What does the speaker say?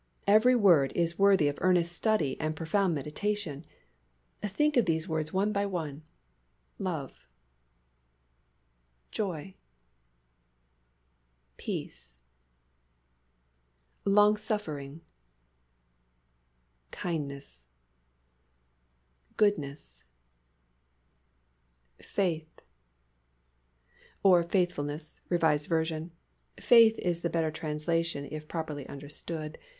Every word is worthy of earnest study and profound meditation. Think of these words one by one; "love"—"joy"—"peace"—"longsuffering"—"kindness"—"goodness"—"faith" (or "faithfulness," R. V.; faith is the better translation if properly understood.